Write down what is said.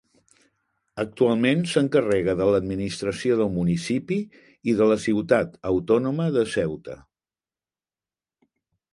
Actualment s'encarrega de l'administració del municipi i de la ciutat autònoma de Ceuta.